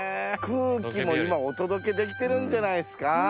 空気も今お届けできてるんじゃないですか。